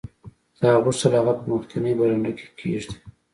تا غوښتل هغه په مخکینۍ برنډه کې کیږدې